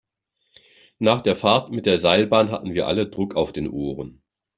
Nach der Fahrt mit der Seilbahn hatten wir alle Druck auf den Ohren.